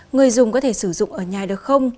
người dùng có thể sử dụng ở nhà được không